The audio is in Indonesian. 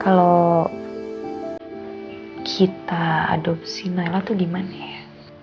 kalau kita adopsi nailah tuh gimana ya